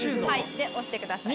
で押してください。